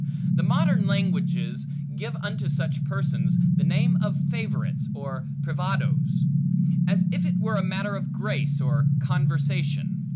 The modern languages give unto such persons the name of favorites, or privadoes; as if it were matter of grace, or conversation.